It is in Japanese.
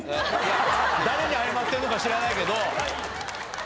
誰に謝ってるのか知らないけど。